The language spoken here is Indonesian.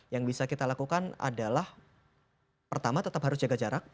yang bisa kita lakukan adalah pertama tetap harus jaga jarak